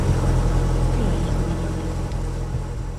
Que hai escuridade?